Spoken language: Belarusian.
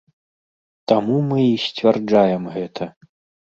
Таму мы і сцвярджаем гэта!